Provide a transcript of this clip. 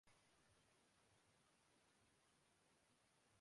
Barcelona نے Spanish La Liga football کا title جیت لیا